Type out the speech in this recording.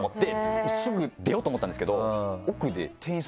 すぐ出ようと思ったんですけど。